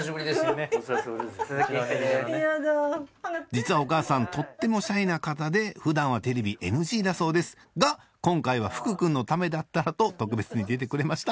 実はお母さんとってもシャイな方で普段はテレビＮＧだそうですが今回は福君のためだったらと特別に出てくれました